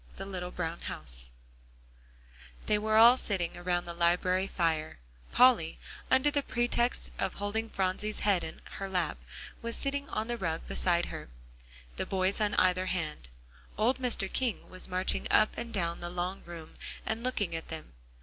VI THE LITTLE BROWN HOUSE They were all sitting around the library fire; Polly under the pretext of holding Phronsie's head in her lap, was sitting on the rug beside her, the boys on either hand; old Mr. King was marching up and down the long room, and looking at them.